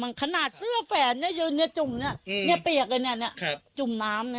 มันขนาดเสื้อแฝนนี่จุ่มนี่นี่เปียกนี่นี่จุ่มน้ำนี่